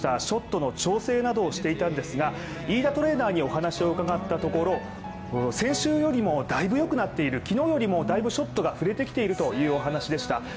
ショットの調整などをしていたんですがイイダトレーナーにお話を伺ったところ先週よりも大分よくなっている昨日よりもだいぶショットが振れてきているというお話でした。